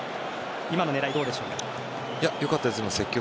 今の狙いはどうでしょう？